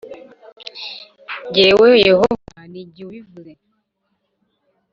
Jyewe Yehova ni jye ubivuze